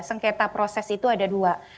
sengketa proses itu ada dua